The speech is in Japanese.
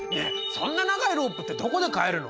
そんな長いロープってどこで買えるの？